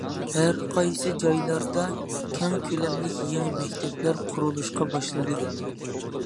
ھەر قايسى جايلاردا كەڭ كۆلەملىك يېڭى مەكتەپلەر قۇرۇلۇشقا باشلىدى.